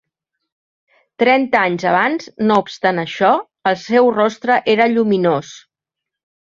Trenta anys abans, no obstant això, el seu rostre era lluminós.